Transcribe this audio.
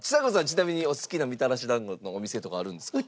ちなみにお好きなみたらし団子のお店とかあるんですか？